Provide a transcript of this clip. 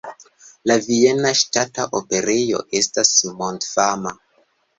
La Viena Ŝtata Operejo estas mondfama.